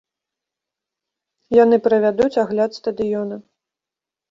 Яны правядуць агляд стадыёна.